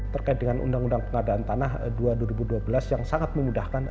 terkait dengan undang undang pengadaan tanah dua ribu dua belas yang sangat memudahkan